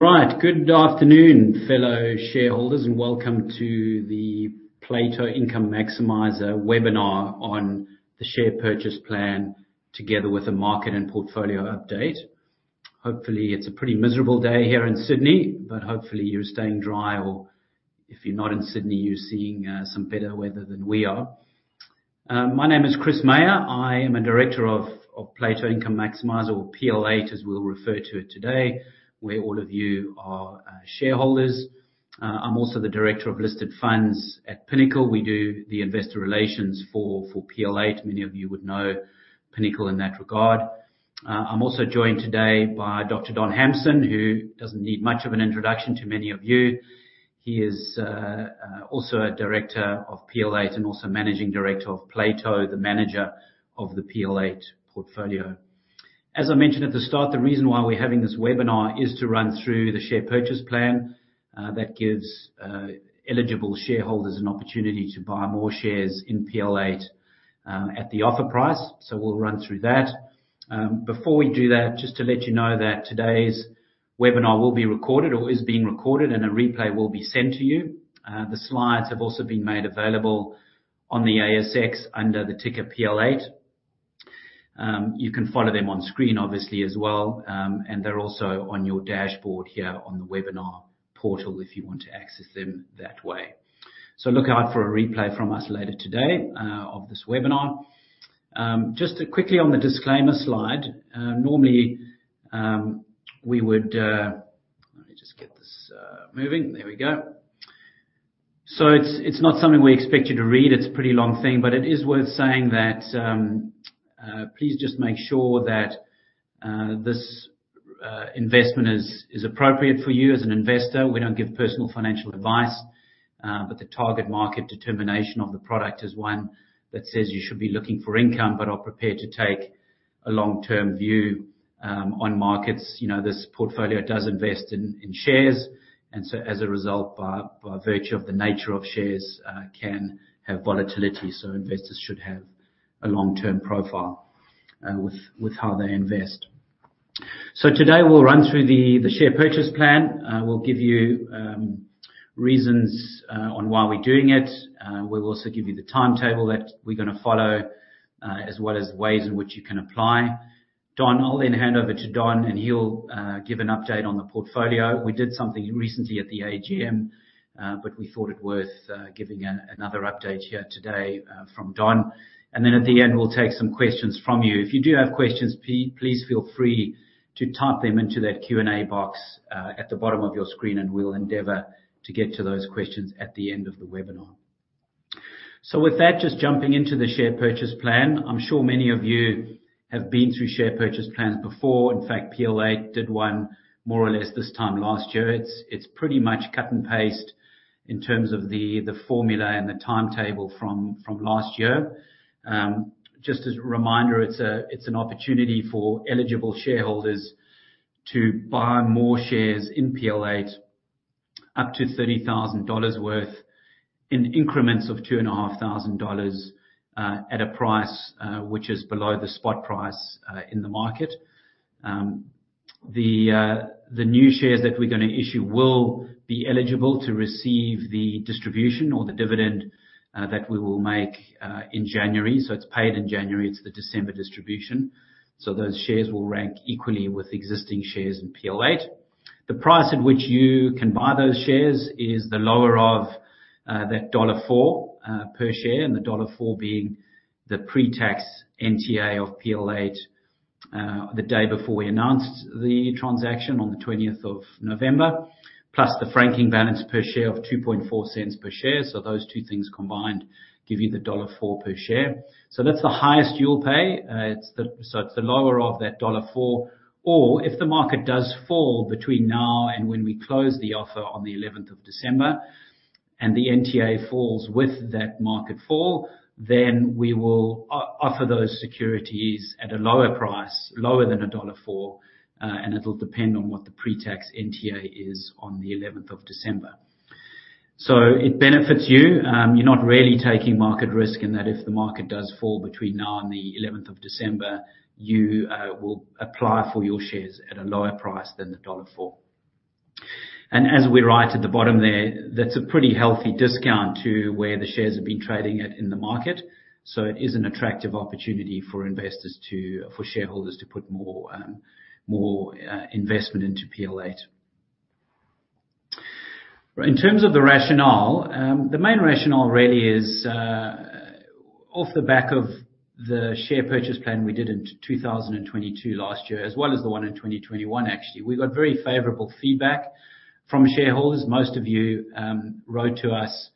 Right. Good afternoon, fellow shareholders, and welcome to the Plato Income Maximiser Webinar on the Share Purchase Plan, together with a Market and Portfolio Update. Hopefully, it's a pretty miserable day here in Sydney, but hopefully, you're staying dry, or if you're not in Sydney, you're seeing some better weather than we are. My name is Chris Meyer. I am a director of Plato Income Maximiser, or PL8, as we'll refer to it today, where all of you are shareholders. I'm also the director of Listed Funds at Pinnacle. We do the investor relations for PL8. Many of you would know Pinnacle in that regard. I'm also joined today by Dr. Don Hamson, who doesn't need much of an introduction to many of you. He is also a director of PL8 and also managing director of Plato, the manager of the PL8 portfolio. As I mentioned at the start, the reason why we're having this webinar is to run through the share purchase plan that gives eligible shareholders an opportunity to buy more shares in PL8 at the offer price. So we'll run through that. Before we do that, just to let you know that today's webinar will be recorded or is being recorded, and a replay will be sent to you. The slides have also been made available on the ASX under the ticker PL8. You can follow them on screen, obviously, as well, and they're also on your dashboard here on the webinar portal if you want to access them that way. So look out for a replay from us later today, of this webinar. Just quickly on the disclaimer slide. Normally, we would, let me just get this moving. There we go. So it's, it's not something we expect you to read. It's a pretty long thing, but it is worth saying that, please just make sure that, this investment is, is appropriate for you as an investor. We don't give personal financial advice, but the Target Market Determination of the product is one that says you should be looking for income, but are prepared to take a long-term view, on markets. You know, this portfolio does invest in shares, and so as a result, by virtue of the nature of shares, can have volatility, so investors should have a long-term profile with how they invest. So today we'll run through the share purchase plan. We'll give you reasons on why we're doing it. We'll also give you the timetable that we're gonna follow, as well as ways in which you can apply. Don, I'll then hand over to Don, and he'll give an update on the portfolio. We did something recently at the AGM, but we thought it worth giving another update here today from Don. And then at the end, we'll take some questions from you. If you do have questions, please feel free to type them into that Q&A box at the bottom of your screen, and we'll endeavor to get to those questions at the end of the webinar. So with that, just jumping into the share purchase plan, I'm sure many of you have been through share purchase plans before. In fact, PL8 did one more or less this time last year. It's pretty much cut and paste in terms of the formula and the timetable from last year. Just as a reminder, it's an opportunity for eligible shareholders to buy more shares in PL8, up to 30,000 dollars worth in increments of 2,500 dollars, at a price which is below the spot price in the market. The new shares that we're gonna issue will be eligible to receive the distribution or the dividend that we will make in January. So it's paid in January. It's the December distribution. So those shares will rank equally with existing shares in PL8. The price at which you can buy those shares is the lower of that dollar 1.04 per share, and the dollar 1.04 being the pre-tax NTA of PL8 the day before we announced the transaction on the 20th of November, plus the franking balance per share of 0.024 per share. So those two things combined give you the dollar 1.04 per share. So that's the highest you'll pay. It's the. So it's the lower of that dollar 1.04, or if the market does fall between now and when we close the offer on the 11th of December, and the NTA falls with that market fall, then we will offer those securities at a lower price, lower than a dollar 1.04, and it'll depend on what the pre-tax NTA is on the 11th of December. So it benefits you. You're not really taking market risk, in that if the market does fall between now and the 11th of December, you will apply for your shares at a lower price than the AUD 1.04. And as we write at the bottom there, that's a pretty healthy discount to where the shares have been trading at in the market. So it is an attractive opportunity for shareholders to put more investment into PL8. In terms of the rationale, the main rationale really is, off the back of the share purchase plan we did in 2022 last year, as well as the one in 2021 actually. We got very favorable feedback from shareholders. Most of you wrote to us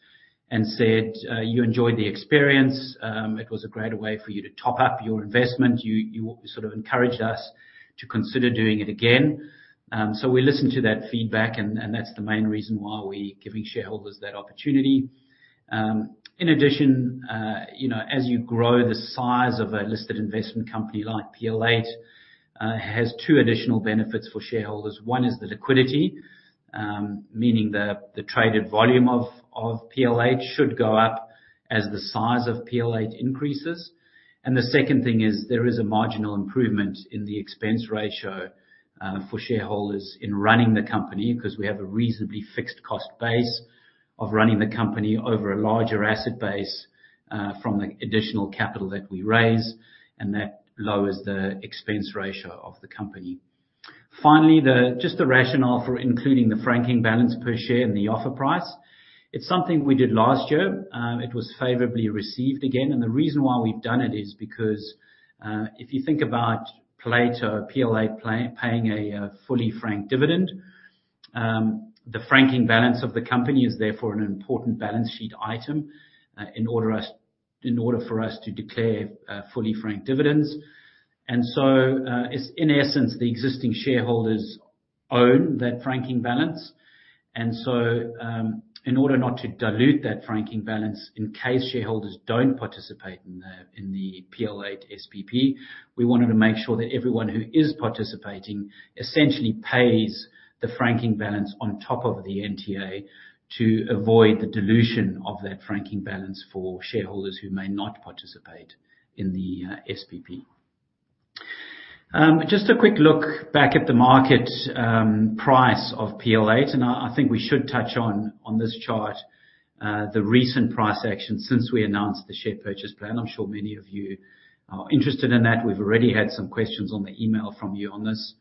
and said, you enjoyed the experience. It was a great way for you to top-up your investment. You sort of encouraged us to consider doing it again. So we listened to that feedback, and that's the main reason why we're giving shareholders that opportunity. In addition, you know, as you grow the size of a listed investment company like PL8, it has two additional benefits for shareholders. One is the liquidity, meaning the traded volume of PL8 should go up as the size of PL8 increases. And the second thing is, there is a marginal improvement in the expense ratio for shareholders in running the company, because we have a reasonably fixed cost base of running the company over a larger asset base from the additional capital that we raise, and that lowers the expense ratio of the company. Finally, just the rationale for including the franking balance per share in the offer price. It's something we did last year. It was favorably received again, and the reason why we've done it is because if you think about Plato, PL8 paying a fully franked dividend, the franking balance of the company is therefore an important balance sheet item in order for us to declare fully franked dividends. And so, it's in essence, the existing shareholders own that franking balance. And so, in order not to dilute that franking balance, in case shareholders don't participate in the PL8 SPP, we wanted to make sure that everyone who is participating essentially pays the franking balance on top of the NTA to avoid the dilution of that franking balance for shareholders who may not participate in the SPP. Just a quick look back at the market price of PL8, and I think we should touch on this chart the recent price action since we announced the share purchase plan. I'm sure many of you are interested in that. We've already had some questions on the email from you on this.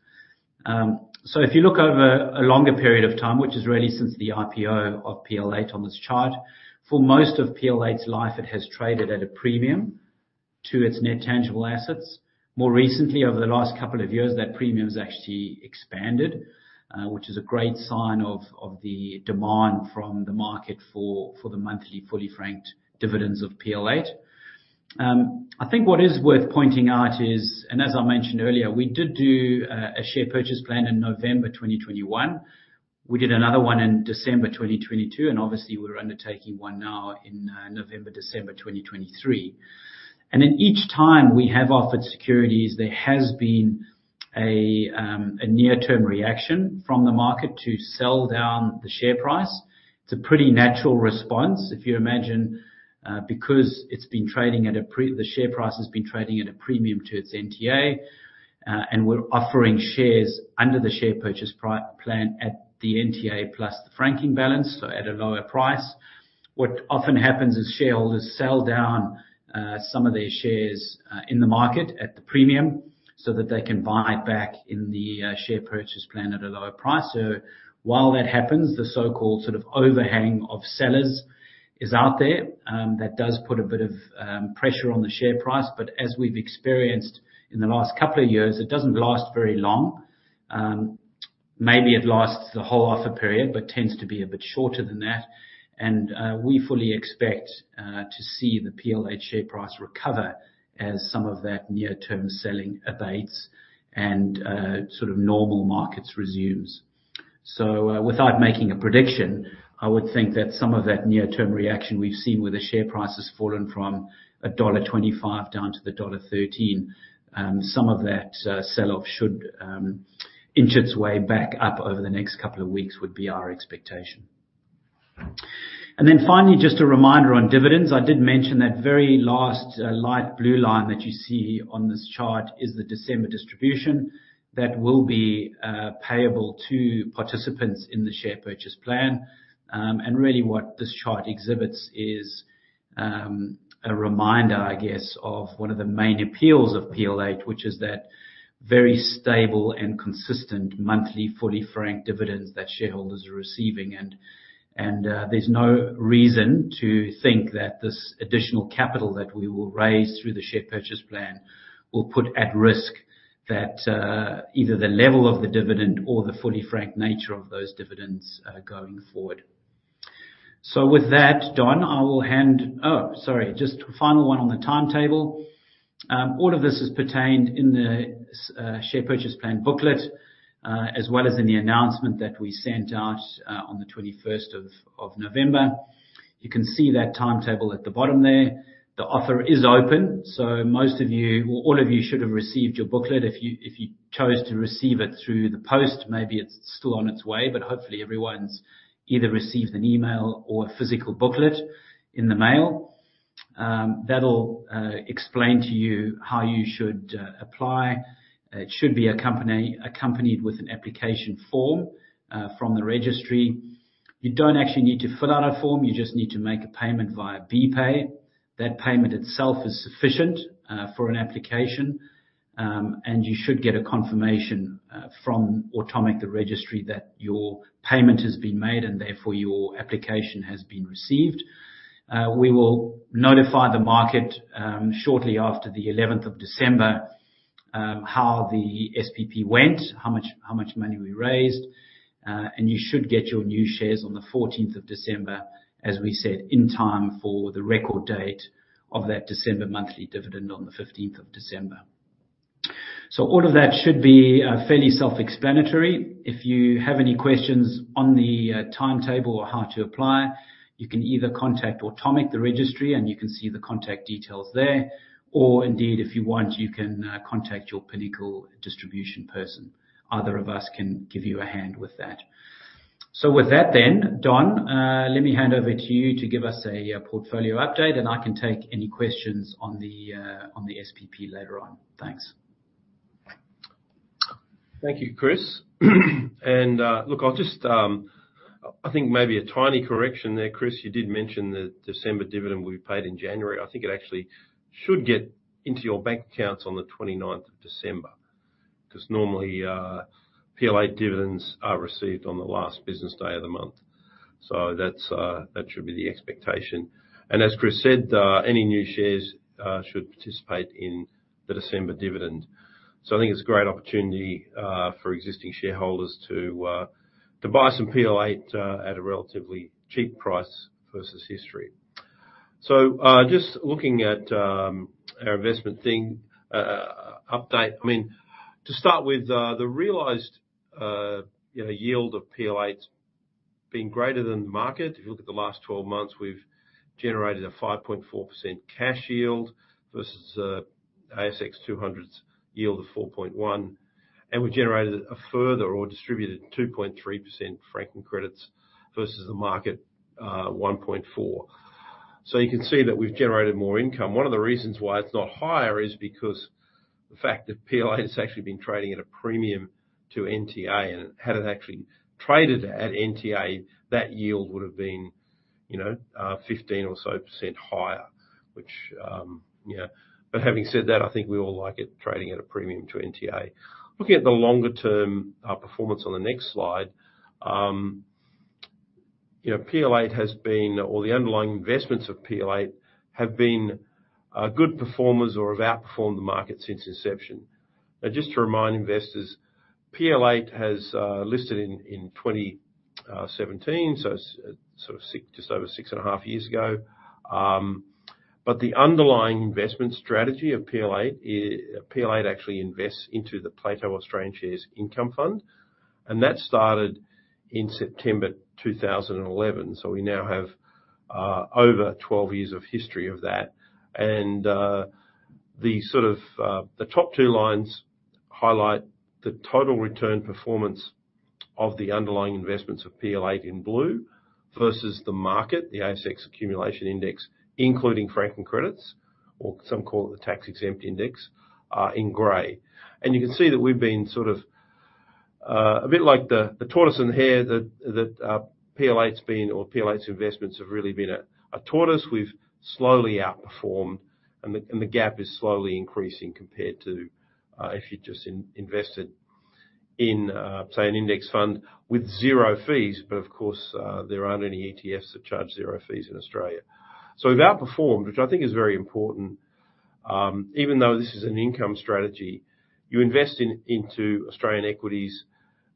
So if you look over a longer period of time, which is really since the IPO of PL8 on this chart, for most of PL8's life, it has traded at a premium to its net tangible assets. More recently, over the last couple of years, that premium has actually expanded, which is a great sign of the demand from the market for the monthly fully franked dividends of PL8. I think what is worth pointing out is, and as I mentioned earlier, we did do a share purchase plan in November 2021. We did another one in December 2022, and obviously we're undertaking one now in November, December 2023. And in each time we have offered securities, there has been a near-term reaction from the market to sell down the share price. It's a pretty natural response. If you imagine, because it's been trading at a premium to its NTA, and we're offering shares under the share purchase plan at the NTA plus the franking balance, so at a lower price. What often happens is shareholders sell down some of their shares in the market at the premium, so that they can buy back in the share purchase plan at a lower price. So while that happens, the so-called sort of overhang of sellers is out there. That does put a bit of pressure on the share price, but as we've experienced in the last couple of years, it doesn't last very long. Maybe it lasts the whole offer period, but tends to be a bit shorter than that. We fully expect to see the PL8 share price recover as some of that near-term selling abates and sort of normal markets resumes. Without making a prediction, I would think that some of that near-term reaction we've seen, where the share price has fallen from dollar 1.25 down to dollar 1.13, some of that sell-off should inch its way back up over the next couple of weeks, would be our expectation. Then finally, just a reminder on dividends. I did mention that very last light blue line that you see on this chart is the December distribution. That will be payable to participants in the share purchase plan. And really what this chart exhibits is a reminder, I guess, of one of the main appeals of PL8, which is that very stable and consistent monthly fully franked dividends that shareholders are receiving. And there's no reason to think that this additional capital that we will raise through the share purchase plan will put at risk that either the level of the dividend or the fully franked nature of those dividends going forward. So with that, Don, I will hand, oh, sorry, just final one on the timetable. All of this is contained in the share purchase plan booklet as well as in the announcement that we sent out on the 21st of November. You can see that timetable at the bottom there. The offer is open, so most of you, or all of you, should have received your booklet. If you chose to receive it through the post, maybe it's still on its way, but hopefully everyone's either received an email or a physical booklet in the mail. That'll explain to you how you should apply. It should be accompanied with an application form from the registry. You don't actually need to fill out a form. You just need to make a payment via BPAY. That payment itself is sufficient for an application, and you should get a confirmation from Automic, the registry, that your payment has been made and therefore your application has been received. We will notify the market, shortly after the 11th of December, how the SPP went, how much money we raised, and you should get your new shares on the 14th of December, as we said, in time for the record date of that December monthly dividend on the 15th of December. So all of that should be fairly self-explanatory. If you have any questions on the timetable or how to apply, you can either contact Automic, the registry, and you can see the contact details there. Or indeed, if you want, you can contact your Pinnacle distribution person. Either of us can give you a hand with that. So with that then, Don, let me hand over to you to give us a portfolio update, and I can take any questions on the SPP later on. Thanks. Thank you, Chris. Look, I'll just—I think maybe a tiny correction there, Chris. You did mention the December dividend will be paid in January. I think it actually should get into your bank accounts on the 29th of December, 'cause normally, PL8 dividends are received on the last business day of the month. So that's—that should be the expectation. And as Chris said, any new shares should participate in the December dividend. So I think it's a great opportunity for existing shareholders to buy some PL8 at a relatively cheap price versus history. So just looking at our investment update. I mean, to start with, the realized—you know, yield of PL8's been greater than the market. If you look at the last twelve months, we've generated a 5.4% cash yield versus ASX 200's yield of 4.1%, and we generated a further or distributed 2.3% franking credits versus the market 1.4%. So you can see that we've generated more income. One of the reasons why it's not higher is because the fact that PL8 has actually been trading at a premium to NTA, and had it actually traded at NTA, that yield would have been, you know, 15% or so higher, which, yeah. But having said that, I think we all like it trading at a premium to NTA. Looking at the longer term performance on the next slide, you know, PL8 has been, or the underlying investments of PL8 have been good performers or have outperformed the market since inception. Now, just to remind investors, PL8 has listed in 2017, so sort of six, just over six and a half years ago. But the underlying investment strategy of PL8 is, PL8 actually invests into the Plato Australian Shares Income Fund, and that started in September 2011. So we now have over 12 years of history of that. And the sort of the top two lines highlight the total return performance of the underlying investments of PL8 in blue versus the market, the ASX Accumulation Index, including franking credits, or some call it the tax-exempt index in gray. You can see that we've been sort of a bit like the tortoise and the hare, that PL8's been or PL8's investments have really been a tortoise. We've slowly outperformed, and the gap is slowly increasing compared to if you just invested in say an index fund with zero fees. But of course there aren't any ETFs that charge zero fees in Australia. So we've outperformed, which I think is very important. Even though this is an income strategy, you invest into Australian equities,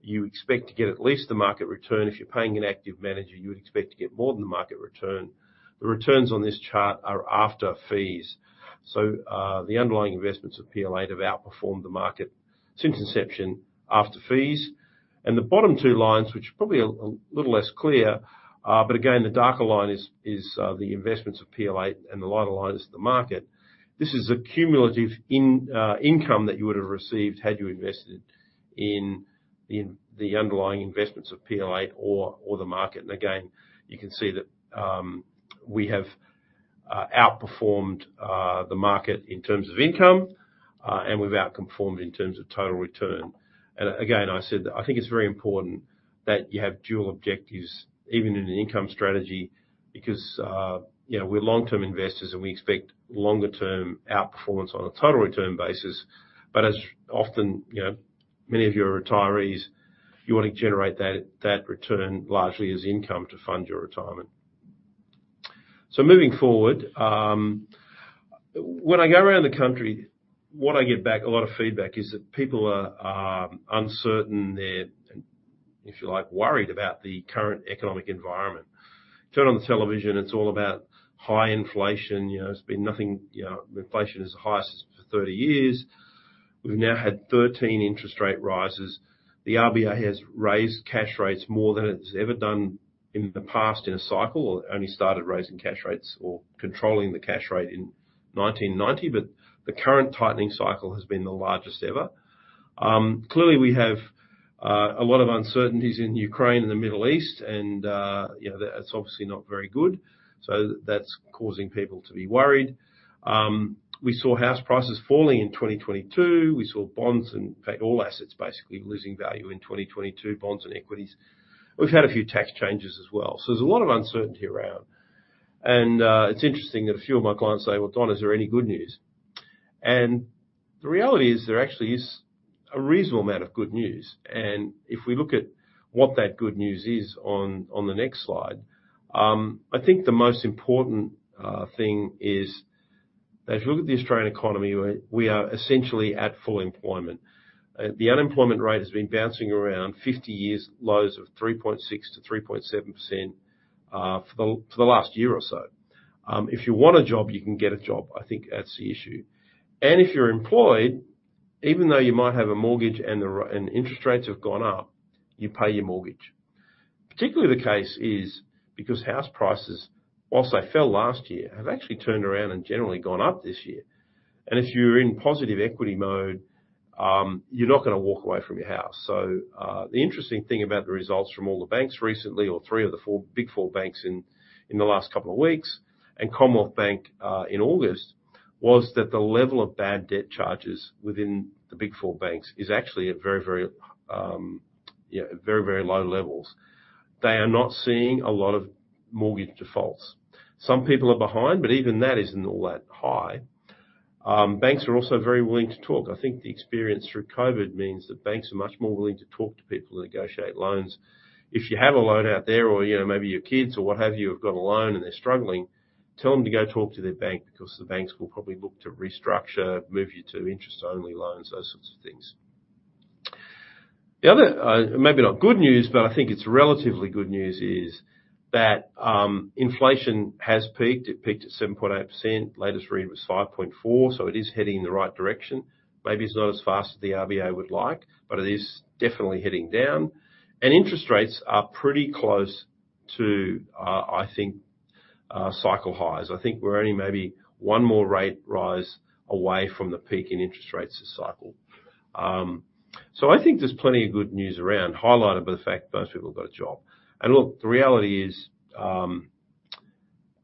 you expect to get at least the market return. If you're paying an active manager, you would expect to get more than the market return. The returns on this chart are after fees. So the underlying investments of PL8 have outperformed the market since inception, after fees. And the bottom two lines, which are probably a little less clear, but again, the darker line is the investments of PL8, and the lighter line is the market. This is a cumulative income that you would have received had you invested in the underlying investments of PL8 or the market. And again, you can see that we have outperformed the market in terms of income, and we've outperformed in terms of total return. And again, I said, I think it's very important that you have dual objectives, even in an income strategy, because you know, we're long-term investors, and we expect longer-term outperformance on a total return basis. But as often, you know, many of you are retirees, you want to generate that return largely as income to fund your retirement. So moving forward, when I go around the country, what I get back, a lot of feedback, is that people are uncertain, they're, if you like, worried about the current economic environment. Turn on the television, it's all about high inflation. You know, it's been nothing. You know, inflation is the highest for 30 years. We've now had 13 interest rate rises. The RBA has raised cash rates more than it's ever done in the past in a cycle, or only started raising cash rates or controlling the cash rate in 1990, but the current tightening cycle has been the largest ever. Clearly, we have a lot of uncertainties in Ukraine and the Middle East, and you know, that's obviously not very good. So that's causing people to be worried. We saw house prices falling in 2022. We saw bonds, in fact, all assets basically losing value in 2022, bonds and equities. We've had a few tax changes as well. So there's a lot of uncertainty around. And it's interesting that a few of my clients say, "Well, Don, is there any good news?" And the reality is, there actually is a reasonable amount of good news. And if we look at what that good news is on the next slide, I think the most important thing is that if you look at the Australian economy, we are essentially at full employment. The unemployment rate has been bouncing around 50-year lows of 3.6%-3.7%, for the last year or so. If you want a job, you can get a job. I think that's the issue. If you're employed, even though you might have a mortgage and interest rates have gone up, you pay your mortgage. Particularly the case is because house prices, while they fell last year, have actually turned around and generally gone up this year. If you're in positive equity mode, you're not gonna walk away from your house. So, the interesting thing about the results from all the banks recently, or three of the four Big Four banks in the last couple of weeks, and Commonwealth Bank in August, was that the level of bad debt charges within the Big Four banks is actually at very, very, yeah, very, very low levels. They are not seeing a lot of mortgage defaults. Some people are behind, but even that isn't all that high. Banks are also very willing to talk. I think the experience through COVID means that banks are much more willing to talk to people to negotiate loans. If you have a loan out there or, you know, maybe your kids or what have you, have got a loan and they're struggling, tell them to go talk to their bank, because the banks will probably look to restructure, move you to interest-only loans, those sorts of things. The other, maybe not good news, but I think it's relatively good news, is that, inflation has peaked. It peaked at 7.8%, latest read was 5.4%, so it is heading in the right direction. Maybe it's not as fast as the RBA would like, but it is definitely heading down. And interest rates are pretty close to, I think, cycle highs. I think we're only maybe one more rate rise away from the peak in interest rates this cycle. So I think there's plenty of good news around, highlighted by the fact most people have got a job. And look, the reality is, and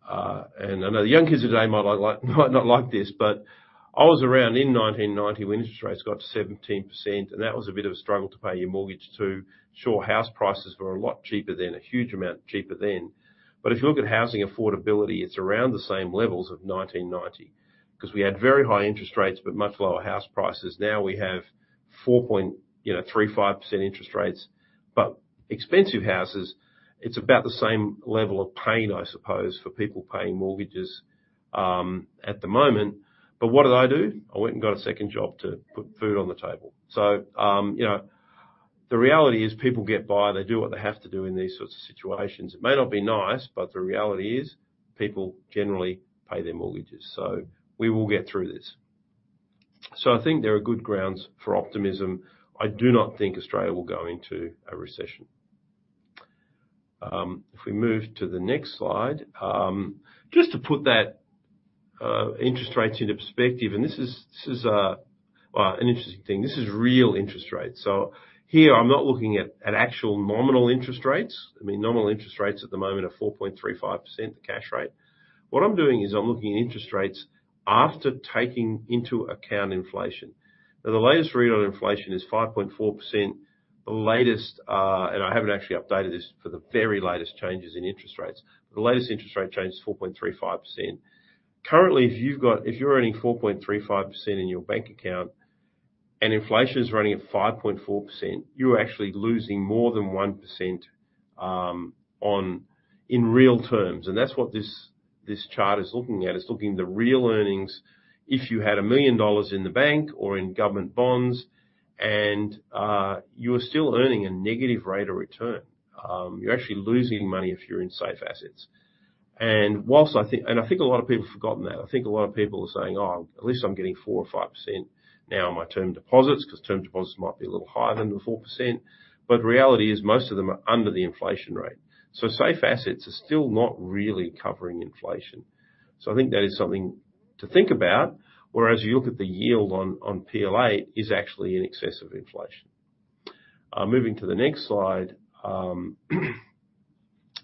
I know the young kids today might not like this, but I was around in 1990 when interest rates got to 17%, and that was a bit of a struggle to pay your mortgage too. Sure, house prices were a lot cheaper then, a huge amount cheaper then. But if you look at housing affordability, it's around the same levels of 1990, 'cause we had very high interest rates, but much lower house prices. Now we have 4.35% interest rates, but expensive houses. It's about the same level of pain, I suppose, for people paying mortgages, at the moment. But what did I do? I went and got a second job to put food on the table. So, you know, the reality is people get by, they do what they have to do in these sorts of situations. It may not be nice, but the reality is, people generally pay their mortgages, so we will get through this. So I think there are good grounds for optimism. I do not think Australia will go into a recession. If we move to the next slide. Just to put that, interest rates into perspective, and this is, well, an interesting thing. This is real interest rates. So here I'm not looking at, actual nominal interest rates. I mean, nominal interest rates at the moment are 4.35%, the cash rate. What I'm doing is I'm looking at interest rates after taking into account inflation. Now, the latest read on inflation is 5.4%. The latest and I haven't actually updated this for the very latest changes in interest rates. The latest interest rate change is 4.35% Currently, if you've got, if you're earning 4.35% in your bank account and inflation is running at 5.4%, you are actually losing more than 1%, on, in real terms. And that's what this, this chart is looking at. It's looking at the real earnings. If you had 1 million dollars in the bank or in government bonds and, you are still earning a negative rate of return, you're actually losing money if you're in safe assets. And while I think, and I think a lot of people have forgotten that. I think a lot of people are saying, "Oh, at least I'm getting 4% or 5% now in my term deposits," 'cause term deposits might be a little higher than the 4%. But the reality is, most of them are under the inflation rate. So safe assets are still not really covering inflation. So I think that is something to think about. Whereas you look at the yield on PL8, is actually in excess of inflation. Moving to the next slide.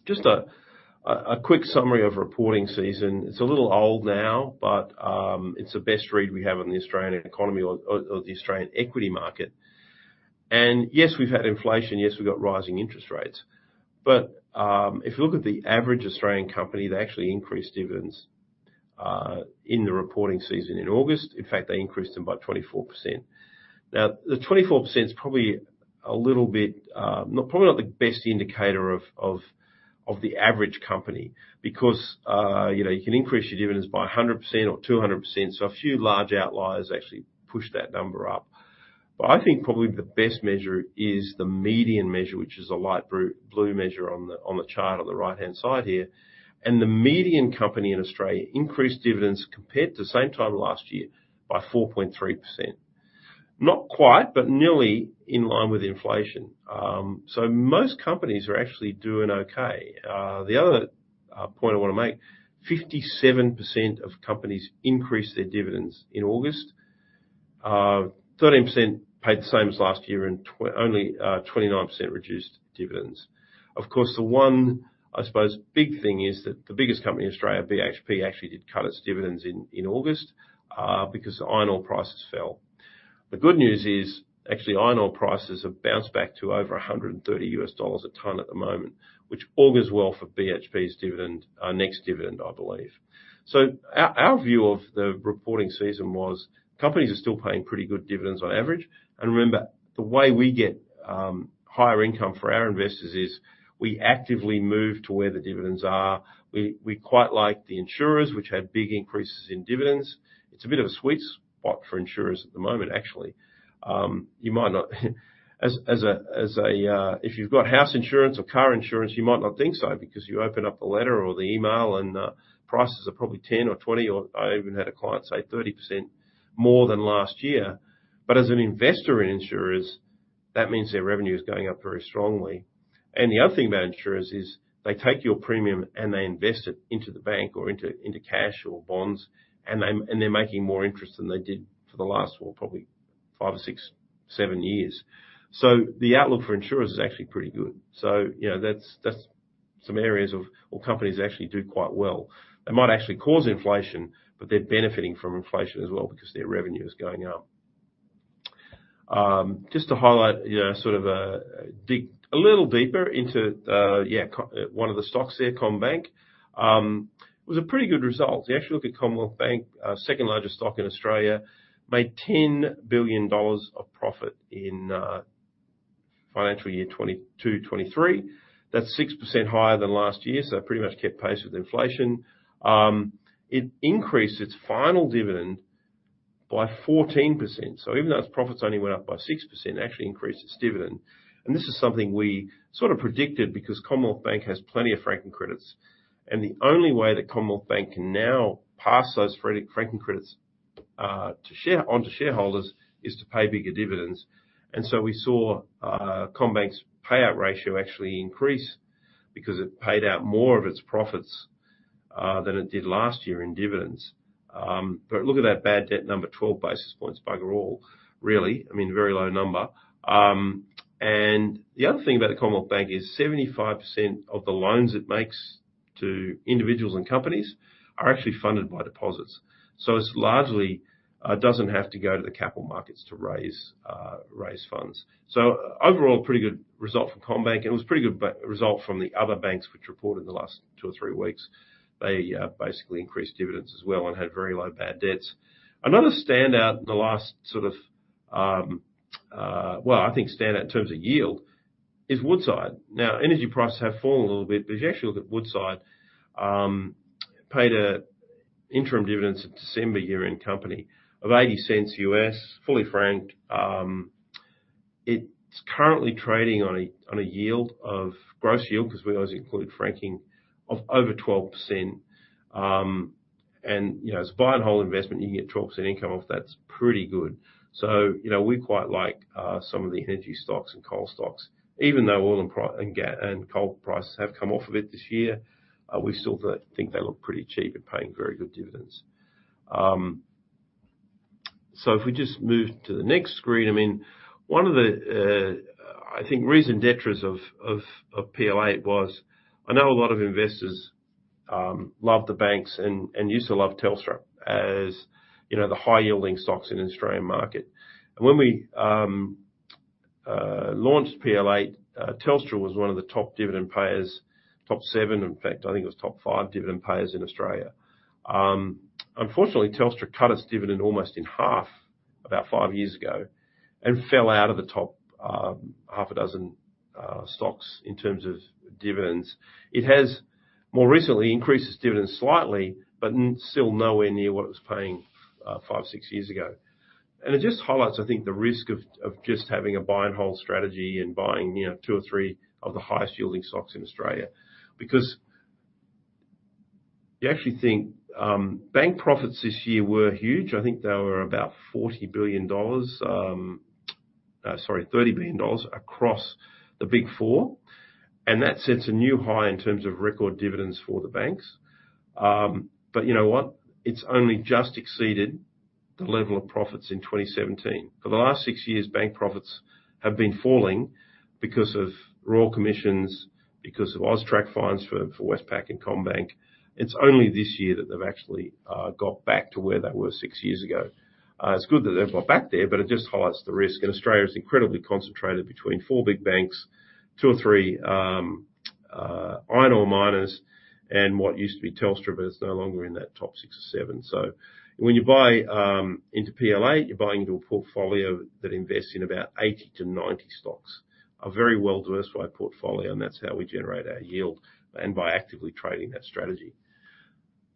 Just a quick summary of reporting season. It's a little old now, but it's the best read we have on the Australian economy or the Australian equity market. Yes, we've had inflation, yes, we've got rising interest rates, but if you look at the average Australian company, they actually increased dividends in the reporting season in August. In fact, they increased them by 24%. Now, the 24% is probably a little bit probably not the best indicator of the average company because, you know, you can increase your dividends by 100% or 200%, so a few large outliers actually pushed that number up. But I think probably the best measure is the median measure, which is a light blue measure on the chart on the right-hand side here. The median company in Australia increased dividends compared to the same time last year by 4.3%. Not quite, but nearly in line with inflation. So most companies are actually doing okay. The other point I wanna make, 57% of companies increased their dividends in August. Thirteen percent paid the same as last year, and 29% reduced dividends. Of course, the one, I suppose, big thing is that the biggest company in Australia, BHP, actually did cut its dividends in August because the iron ore prices fell. The good news is, actually, iron ore prices have bounced back to over $130 a ton at the moment, which augurs well for BHP's dividend, next dividend, I believe. So our view of the reporting season was companies are still paying pretty good dividends on average. And remember, the way we get higher income for our investors is we actively move to where the dividends are. We quite like the insurers, which had big increases in dividends. It's a bit of a sweet spot for insurers at the moment, actually. You might not, if you've got house insurance or car insurance, you might not think so, because you open up the letter or the email and prices are probably 10 or 20, or I even had a client say 30% more than last year. But as an investor in insurers. That means their revenue is going up very strongly. The other thing about insurers is they take your premium and they invest it into the bank or into cash or bonds, and they're making more interest than they did for the last, well, probably five or six, seven years. So the outlook for insurers is actually pretty good. So you know, that's some areas of or companies actually do quite well. They might actually cause inflation, but they're benefiting from inflation as well because their revenue is going up. Just to highlight, dig a little deeper into one of the stocks there, CommBank. It was a pretty good result. If you actually look at Commonwealth Bank, second largest stock in Australia, made 10 billion dollars of profit in financial year 2022-2023. That's 6% higher than last year, so pretty much kept pace with inflation. It increased its final dividend by 14%. So even though its profits only went up by 6%, it actually increased its dividend. And this is something we sort of predicted because Commonwealth Bank has plenty of franking credits, and the only way that Commonwealth Bank can now pass those franking, franking credits onto shareholders is to pay bigger dividends. And so we saw CommBank's payout ratio actually increase because it paid out more of its profits than it did last year in dividends. But look at that bad debt number, 12 basis points. Bugger all, really. I mean, very low number. And the other thing about the Commonwealth Bank is 75% of the loans it makes to individuals and companies are actually funded by deposits. So it's largely, doesn't have to go to the capital markets to raise, raise funds. So overall, a pretty good result for CommBank, and it was a pretty good result from the other banks which reported the last two or three weeks. They, basically increased dividends as well and had very low bad debts. Another standout in the last sort of, well, I think standout in terms of yield, is Woodside. Now, energy prices have fallen a little bit, but if you actually look at Woodside, paid a interim dividends at December year-end company of $0.80, fully franked. It's currently trading on a, on a yield of, gross yield, because we always include franking, of over 12%. And, you know, as buy and hold investment, you can get 12% income off. That's pretty good. So, you know, we quite like some of the energy stocks and coal stocks. Even though oil and coal prices have come off a bit this year, we still think they look pretty cheap and paying very good dividends. So if we just move to the next screen, I mean, one of the, I think raison d'être of Plato was, I know a lot of investors love the banks and used to love Telstra, as, you know, the high-yielding stocks in Australian market. And when we launched Plato, Telstra was one of the top dividend payers, top seven, in fact, I think it was top five dividend payers in Australia. Unfortunately, Telstra cut its dividend almost in half about five years ago and fell out of the top half a dozen stocks in terms of dividends. It has more recently increased its dividends slightly, but still nowhere near what it was paying five, six years ago. It just highlights, I think, the risk of just having a buy and hold strategy and buying, you know, two or three of the highest yielding stocks in Australia. Because you actually think bank profits this year were huge. I think they were about 40 billion dollars, sorry, 30 billion dollars across the Big Four, and that sets a new high in terms of record dividends for the banks. But you know what? It's only just exceeded the level of profits in 2017. For the last six years, bank profits have been falling because of royal commissions, because of AUSTRAC fines for Westpac and CommBank. It's only this year that they've actually got back to where they were six years ago. It's good that they've got back there, but it just highlights the risk. And Australia is incredibly concentrated between four big banks, two or three iron ore miners, and what used to be Telstra, but it's no longer in that top six or seven. So when you buy into PL8, you're buying into a portfolio that invests in about 80-90 stocks. A very well-diversified portfolio, and that's how we generate our yield, and by actively trading that strategy.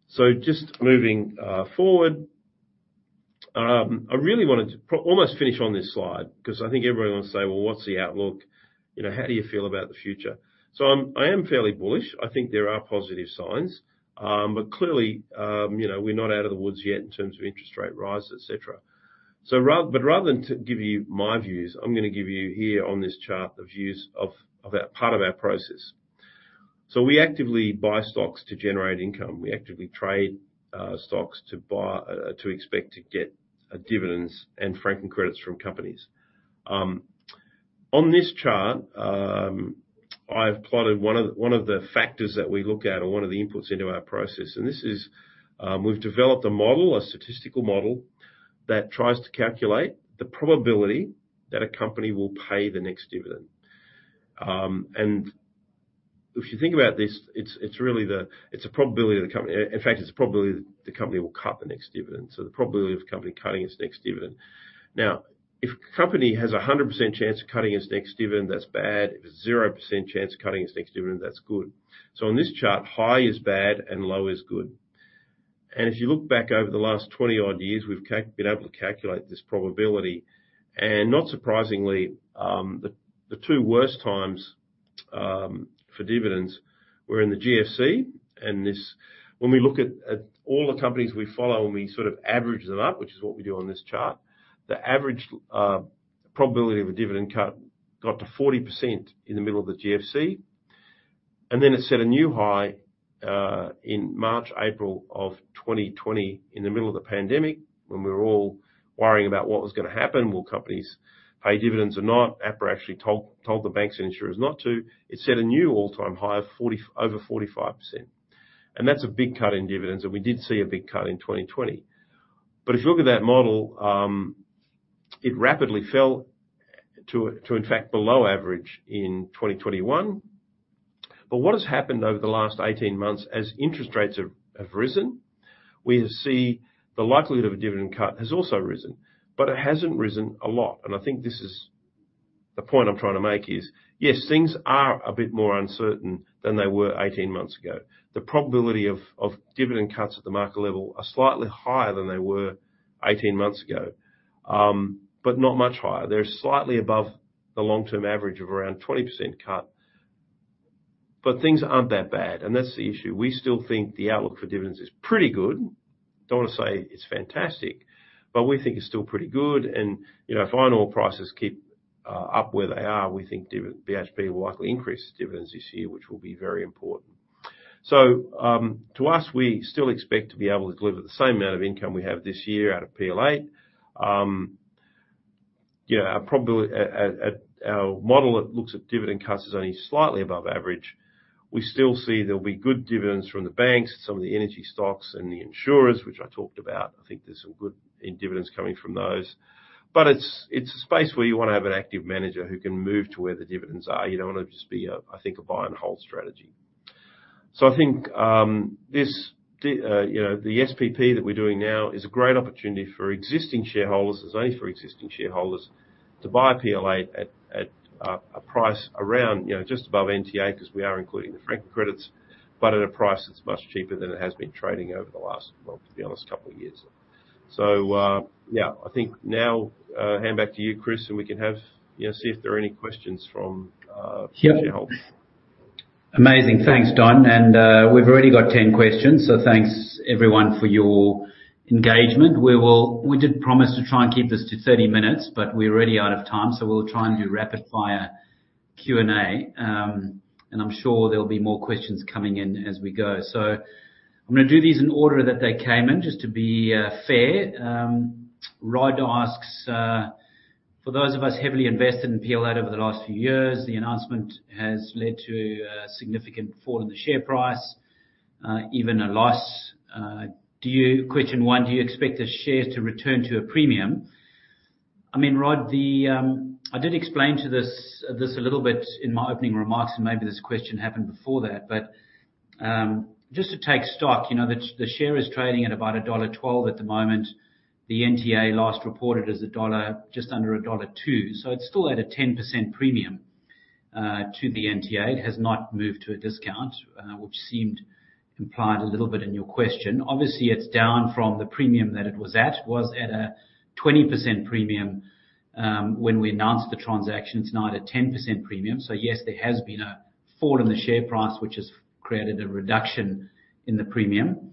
So just moving forward, I really wanted to almost finish on this slide because I think everyone wants to say: Well, what's the outlook? You know, how do you feel about the future? So I am fairly bullish. I think there are positive signs. But clearly, you know, we're not out of the woods yet in terms of interest rate rises, et cetera. So but rather than to give you my views, I'm gonna give you here on this chart, the views of, of our, part of our process. So we actively buy stocks to generate income. We actively trade stocks to buy to expect to get dividends and franking credits from companies. On this chart, I've plotted one of, one of the factors that we look at or one of the inputs into our process, and this is, we've developed a model, a statistical model, that tries to calculate the probability that a company will pay the next dividend. And if you think about this, it's, it's really the, it's the probability that the company. In fact, it's the probability that the company will cut the next dividend, so the probability of the company cutting its next dividend. Now, if a company has a 100% chance of cutting its next dividend, that's bad. If it's 0% chance of cutting its next dividend, that's good. So on this chart, high is bad and low is good. If you look back over the last 20-odd years, we've been able to calculate this probability, and not surprisingly, the two worst times for dividends were in the GFC, and this, when we look at all the companies we follow and we sort of average them up, which is what we do on this chart, the average probability of a dividend cut got to 40% in the middle of the GFC. And then it set a new high in March/April of 2020, in the middle of the pandemic, when we were all worrying about what was going to happen. Will companies pay dividends or not? APRA actually told the banks and insurers not to. It set a new all-time high of over 45%, and that's a big cut in dividends, and we did see a big cut in 2020. But if you look at that model, it rapidly fell to, in fact, below average in 2021. But what has happened over the last 18 months, as interest rates have risen, we see the likelihood of a dividend cut has also risen, but it hasn't risen a lot. And I think this is, the point I'm trying to make is: yes, things are a bit more uncertain than they were 18 months ago. The probability of dividend cuts at the market level are slightly higher than they were 18 months ago, but not much higher. They're slightly above the long-term average of around 20% cut, but things aren't that bad, and that's the issue. We still think the outlook for dividends is pretty good. Don't want to say it's fantastic, but we think it's still pretty good and, you know, if iron ore prices keep up where they are, we think BHP will likely increase dividends this year, which will be very important. So, to us, we still expect to be able to deliver the same amount of income we have this year out of PL8. Yeah, our probability at our model that looks at dividend cuts is only slightly above average. We still see there'll be good dividends from the banks, some of the energy stocks and the insurers, which I talked about. I think there's some good in dividends coming from those, but it's a space where you want to have an active manager who can move to where the dividends are. You don't want to just be a, I think, a buy and hold strategy. So I think, this you know, the SPP that we're doing now is a great opportunity for existing shareholders, it's only for existing shareholders, to buy PL8 at a price around, you know, just above NTA, because we are including the franking credits, but at a price that's much cheaper than it has been trading over the last, well, to be honest, couple of years. So, yeah, I think now, hand back to you, Chris, and we can have, you know, see if there are any questions from, shareholders. Amazing. Thanks, Don, and we've already got 10 questions, so thanks everyone for your engagement. We did promise to try and keep this to 30 minutes, but we're already out of time, so we'll try and do rapid-fire Q&A. And I'm sure there'll be more questions coming in as we go. So I'm going to do these in order that they came in, just to be fair. Rod asks, "For those of us heavily invested in PL8 over the last few years, the announcement has led to a significant fall in the share price, even a loss. Question one, do you expect the share to return to a premium?" I mean, Rod, the I did explain this a little bit in my opening remarks, and maybe this question happened before that, but, just to take stock, you know, the share is trading at about dollar 1.12 at the moment. The NTA last reported as a dollar, just under dollar 1.02, so it's still at a 10% premium to the NTA. It has not moved to a discount, which seemed implied a little bit in your question. Obviously, it's down from the premium that it was at. It was at a 20% premium when we announced the transaction. It's now at a 10% premium. So yes, there has been a fall in the share price, which has created a reduction in the premium.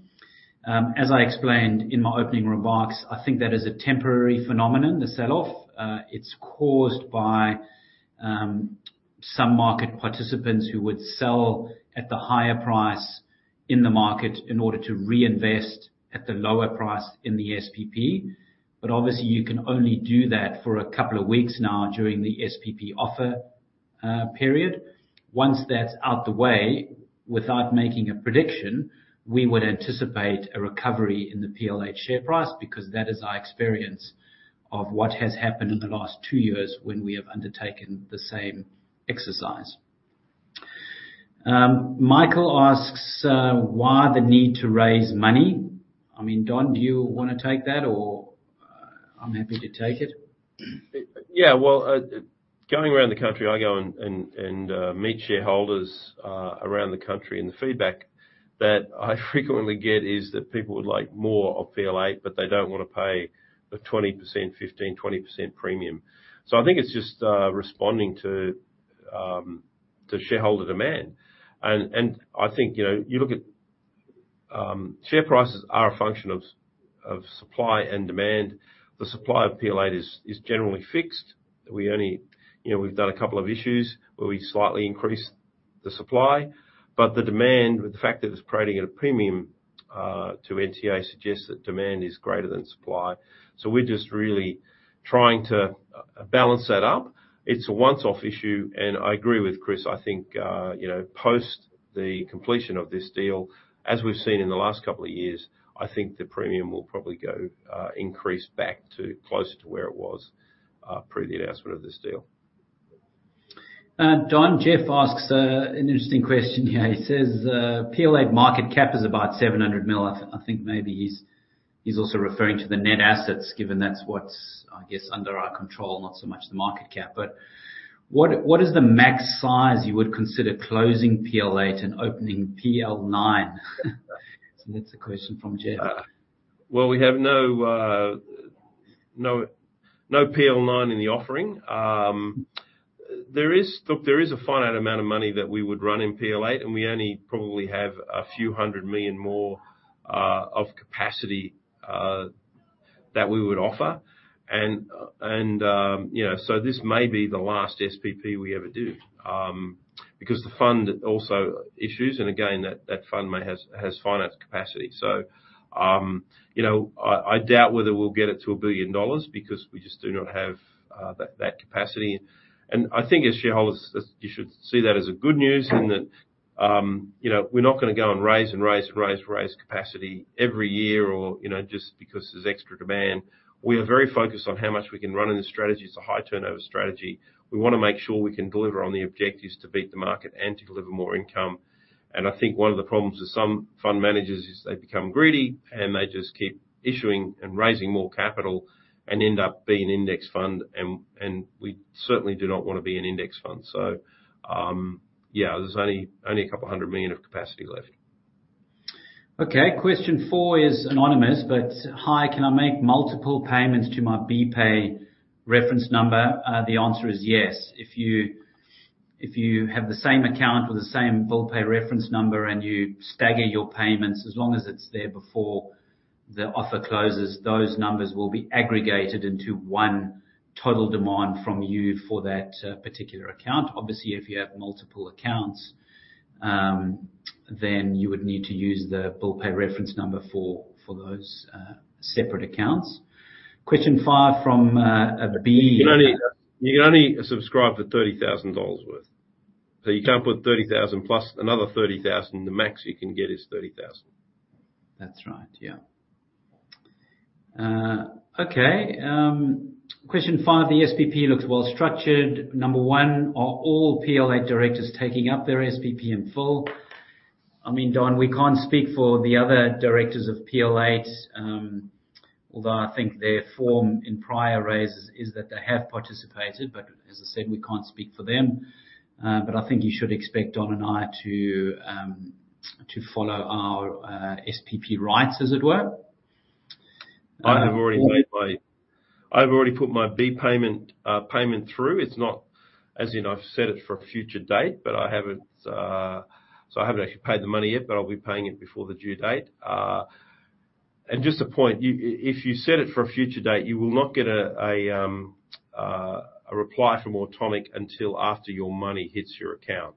As I explained in my opening remarks, I think that is a temporary phenomenon, the sell-off. It's caused by some market participants who would sell at the higher price in the market in order to reinvest at the lower price in the SPP. But obviously you can only do that for a couple of weeks now during the SPP offer period. Once that's out the way, without making a prediction, we would anticipate a recovery in the PL8 share price, because that is our experience of what has happened in the last two years when we have undertaken the same exercise. Michael asks, "Why the need to raise money?" I mean, Don, do you want to take that or, I'm happy to take it. Yeah, well, going around the country, I go and meet shareholders around the country, and the feedback that I frequently get is that people would like more of PL8, but they don't want to pay a 20%, 15%-20% premium. So I think it's just responding to shareholder demand. And I think, you know, you look at. Share prices are a function of supply and demand. The supply of PL8 is generally fixed. We only. You know, we've done a couple of issues where we slightly increased the supply, but the demand, with the fact that it's trading at a premium to NTA, suggests that demand is greater than supply. So we're just really trying to balance that up. It's a once-off issue, and I agree with Chris. I think, you know, post the completion of this deal, as we've seen in the last couple of years, I think the premium will probably go, increase back to closer to where it was, pre the announcement of this deal. Don, Jeff asks an interesting question here. He says, "PL8 market cap is about 700 million." I think maybe he's also referring to the net assets, given that's what's, I guess, under our control, not so much the market cap. But what is the max size you would consider closing PL8 and opening PL9? So that's a question from Jeff. Well, we have no, no PL9 in the offering. There is, look, there is a finite amount of money that we would run in PL8, and we only probably have a few hundred million more of capacity that we would offer. And, and, you know, so this may be the last SPP we ever do. Because the fund also issues, and again, that fund may have, has finite capacity. So, you know, I doubt whether we'll get it to 1 billion dollars because we just do not have that capacity. And I think as shareholders, you should see that as good news in that, you know, we're not gonna go and raise, and raise, raise, raise capacity every year, or, you know, just because there's extra demand. We are very focused on how much we can run in the strategy. It's a high turnover strategy. We wanna make sure we can deliver on the objectives to beat the market and to deliver more income. And I think one of the problems with some fund managers is they become greedy, and they just keep issuing and raising more capital and end up being index fund, and we certainly do not wanna be an index fund. So, yeah, there's only a couple of hundred million of capacity left. Okay, question four is anonymous, but: "Hi, can I make multiple payments to my BPAY reference number?" The answer is yes. If you have the same account or the same BPAY reference number and you stagger your payments, as long as it's there before the offer closes, those numbers will be aggregated into one total demand from you for that particular account. Obviously, if you have multiple accounts, then you would need to use the BPAY reference number for those separate accounts. Question five from B. You can only subscribe for 30,000 dollars worth. So you can't put 30,000 plus another 30,000. The max you can get is 30,000. That's right. Yeah. Okay, question five: "The SPP looks well structured. Number one, are all PL8 directors taking up their SPP in full?" I mean, Don, we can't speak for the other directors of PL8, although I think their form in prior raises is that they have participated, but as I said, we can't speak for them. But I think you should expect Don and I to follow our SPP rights, as it were. I've already put my BPAY payment through. It's not, as in, I've set it for a future date, but I haven't. So I haven't actually paid the money yet, but I'll be paying it before the due date. And just a point, if you set it for a future date, you will not get a reply from Automic until after your money hits your account.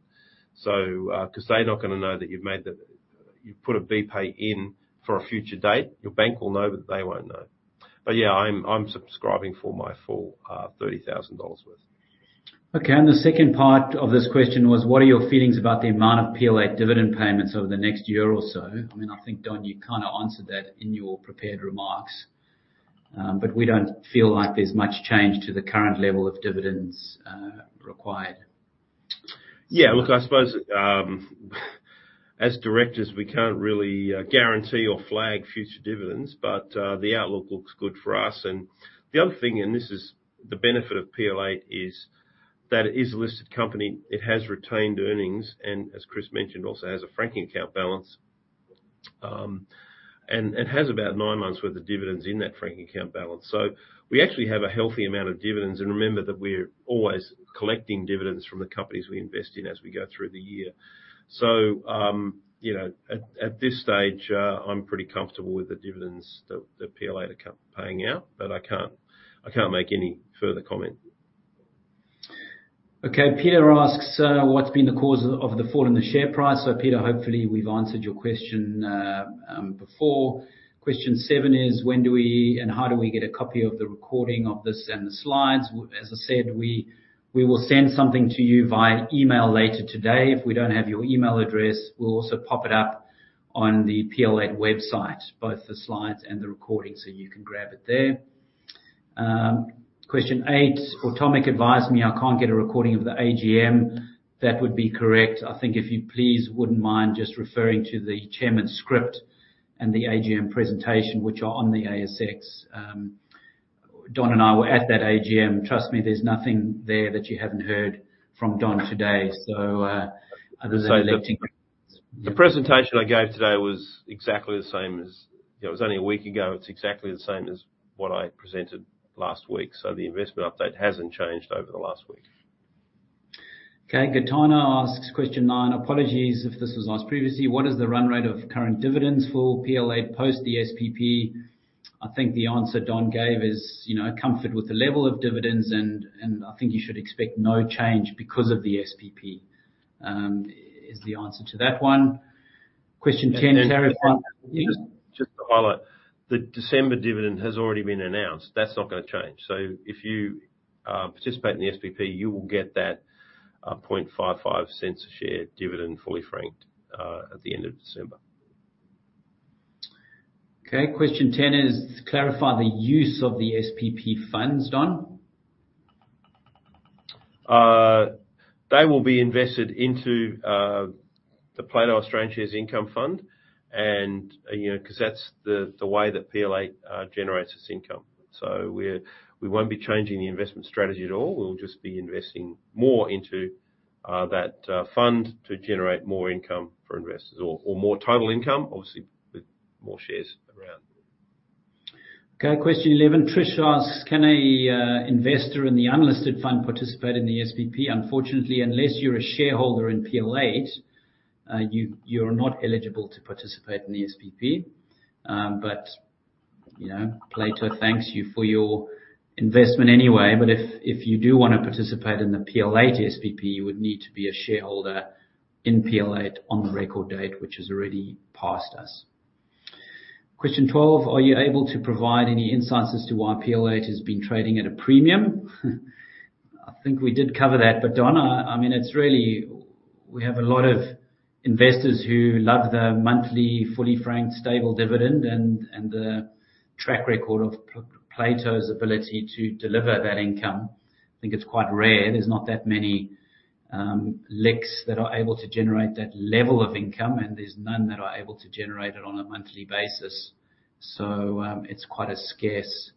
So, 'cause they're not gonna know that you've made the—you've put a BPAY in for a future date. Your bank will know, but they won't know. But yeah, I'm subscribing for my full 30,000 dollars worth. Okay, and the second part of this question was: "What are your feelings about the amount of PL8 dividend payments over the next year or so?" I mean, I think, Don, you kinda answered that in your prepared remarks, but we don't feel like there's much change to the current level of dividends required. Yeah, look, I suppose, as directors, we can't really, guarantee or flag future dividends, but, the outlook looks good for us. And the other thing, and this is the benefit of PL8, is that it is a listed company, it has retained earnings, and as Chris mentioned, also has a franking account balance. And has about nine months worth of dividends in that franking account balance. So we actually have a healthy amount of dividends, and remember that we're always collecting dividends from the companies we invest in as we go through the year. So, you know, at this stage, I'm pretty comfortable with the dividends that PL8 are co-paying out, but I can't make any further comment. Okay, Peter asks, "What's been the cause of the fall in the share price?" So, Peter, hopefully we've answered your question before. Question seven is: "When do we, and how do we get a copy of the recording of this and the slides?" As I said, we will send something to you via email later today. If we don't have your email address, we'll also pop it up on the PL8 website, both the slides and the recording, so you can grab it there. Question eight: "Automic advised me I can't get a recording of the AGM." That would be correct. I think if you please wouldn't mind just referring to the chairman's script and the AGM presentation, which are on the ASX. Don and I were at that AGM. Trust me, there's nothing there that you haven't heard from Don today. So, other than. The presentation I gave today was exactly the same as, It was only a week ago. It's exactly the same as what I presented last week, so the investment update hasn't changed over the last week. Okay, Gatana asks question nine: "Apologies if this was asked previously. What is the run rate of current dividends for PL eight post the SPP?" I think the answer Don gave is, you know, comfort with the level of dividends, and, and I think you should expect no change because of the SPP, is the answer to that one. Question ten, clarify. Just, just to highlight, the December dividend has already been announced. That's not gonna change. So if you participate in the SPP, you will get that 0.0055 a share dividend, fully franked, at the end of December. Okay, question ten is: "Clarify the use of the SPP funds", Don. They will be invested into the Plato Australian Shares Income Fund, and, you know, 'cause that's the way that PL8 generates its income. So we won't be changing the investment strategy at all. We'll just be investing more into that fund to generate more income for investors or more total income, obviously, with more shares around. Okay, question eleven. Trish asks, "Can a investor in the unlisted fund participate in the SPP?" Unfortunately, unless you're a shareholder in PL8, you, you're not eligible to participate in the SPP. But, you know, Plato thanks you for your investment anyway. But if you do wanna participate in the PL8 SPP, you would need to be a shareholder in PL8 on the record date, which has already passed us. Question twelve: "Are you able to provide any insights as to why PL8 has been trading at a premium?" I think we did cover that, but Don, I mean, it's really, we have a lot of investors who love the monthly, fully franked, stable dividend and the track record of Plato's ability to deliver that income. I think it's quite rare. There's not that many LICs that are able to generate that level of income, and there's none that are able to generate it on a monthly basis. So, it's quite a scarce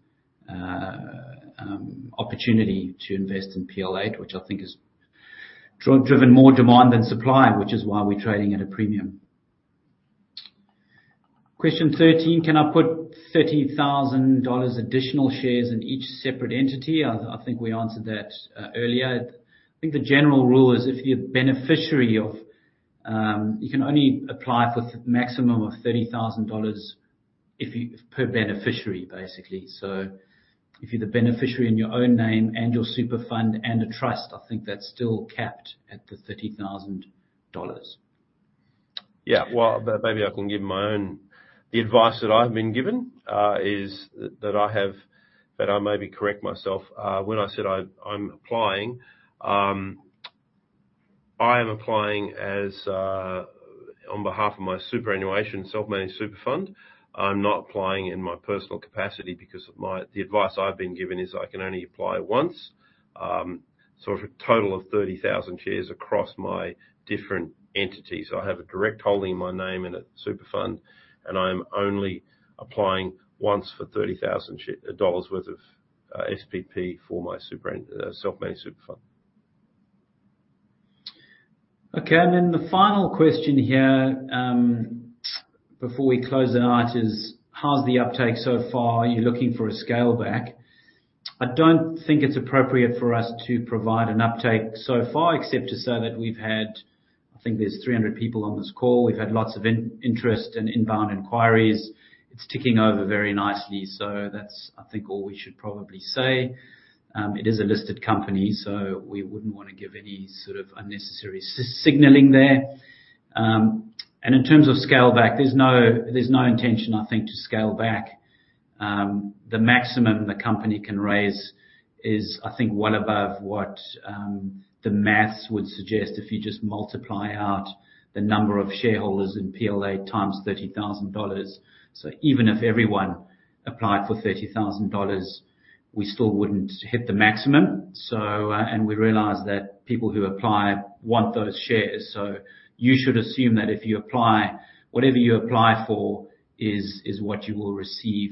opportunity to invest in PL8, which I think has driven more demand than supply, which is why we're trading at a premium. Question 13: "Can I put 30,000 dollars additional shares in each separate entity?" I think we answered that earlier. I think the general rule is if you're a beneficiary of, you can only apply for the maximum of 30,000 dollars if you, per beneficiary, basically. So if you're the beneficiary in your own name and your super fund and a trust, I think that's still capped at the 30,000 dollars. Yeah. Well, but maybe I can give my own. The advice that I've been given is that but I maybe correct myself when I said I'm applying. I am applying as on behalf of my superannuation self-managed super fund. I'm not applying in my personal capacity because of my. The advice I've been given is I can only apply once, so for a total of 30,000 shares across my different entities. I have a direct holding in my name in a super fund, and I'm only applying once for 30,000 dollars worth of SPP for my superannuation self-managed super fund. Okay, and then the final question here, before we close the night is: "How's the uptake so far? Are you looking for a scale back?" I don't think it's appropriate for us to provide an uptake so far, except to say that we've had, I think there's 300 people on this call. We've had lots of interest and inbound inquiries. It's ticking over very nicely, so that's, I think, all we should probably say. It is a listed company, so we wouldn't wanna give any sort of unnecessary signaling there. And in terms of scale back, there's no, there's no intention, I think, to scale back. The maximum the company can raise is, I think, well above what, the math would suggest if you just multiply out the number of shareholders in PL8 times 30,000 dollars. So even if everyone applied for 30,000 dollars, we still wouldn't hit the maximum. So, and we realize that people who apply want those shares, so you should assume that if you apply, whatever you apply for is what you will receive,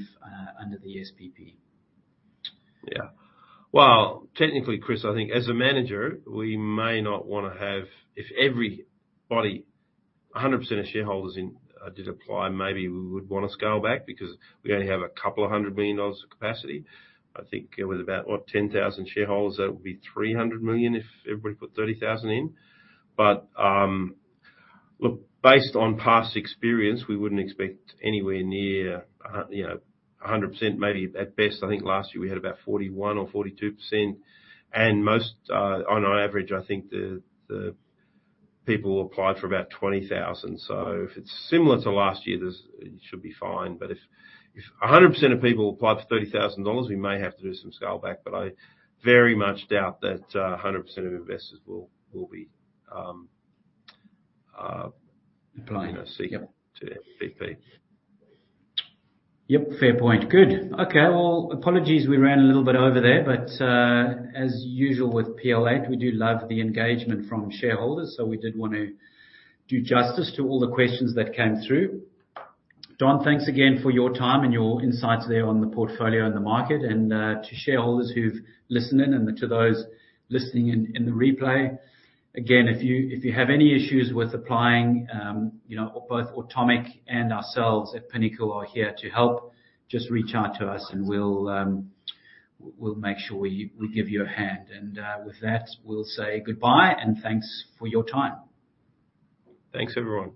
under the SPP. Yeah. Well, technically, Chris, I think as a manager, we may not wanna have. If everybody, 100% of shareholders in, did apply, maybe we would wanna scale back because we only have a couple of 100 million dollars of capacity. I think with about, what? 10,000 shareholders, that would be 300 million if everybody put 30,000 in. But, look, based on past experience, we wouldn't expect anywhere near, you know, 100%, maybe at best I think last year we had about 41% or 42%. And most, on an average, I think the people applied for about 20,000. So if it's similar to last year, this, it should be fine. But if 100% of people applied for 30,000 dollars, we may have to do some scale back, but I very much doubt that 100% of investors will be Applying. You know, seeking to SPP. Yep, fair point. Good. Okay, well, apologies we ran a little bit over there, but, as usual with PL8, we do love the engagement from shareholders, so we did wanna do justice to all the questions that came through. Don, thanks again for your time and your insights there on the portfolio and the market. And, to shareholders who've listened in and to those listening in, in the replay, again, if you have any issues with applying, you know, both Automic and ourselves at Pinnacle are here to help. Just reach out to us and we'll make sure we give you a hand. And, with that, we'll say goodbye and thanks for your time. Thanks, everyone.